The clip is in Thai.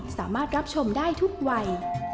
สามารถรับชมได้ทุกวัย